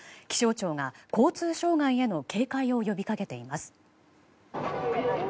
気象庁が交通障害への警戒を呼びかけています。